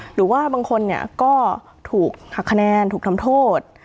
หรือว่าบางคนเนี่ยก็ถูกหักคะแนนถูกทำโทษ